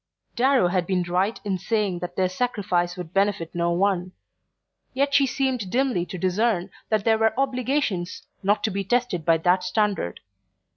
Darrow had been right in saying that their sacrifice would benefit no one; yet she seemed dimly to discern that there were obligations not to be tested by that standard.